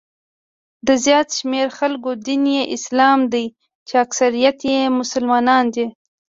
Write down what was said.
د زیات شمېر خلکو دین یې اسلام دی چې اکثریت یې مسلمانان دي.